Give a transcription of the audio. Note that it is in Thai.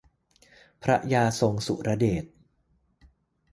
พระยาทรงสุรเดช